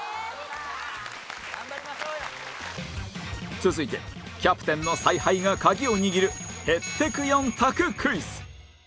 続いてキャプテンの采配が鍵を握るへってく４択クイズ